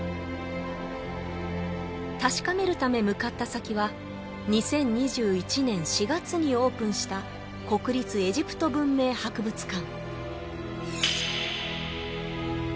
確かめるため向かった先は２０２１年４月にオープンした国立エジプト文明博物館